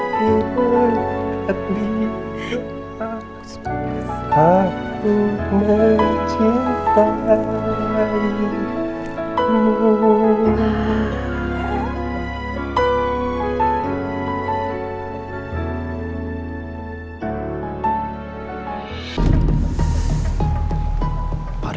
tapi dekat di doa